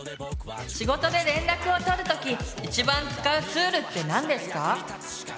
仕事で連絡を取る時一番使うツールって何ですか？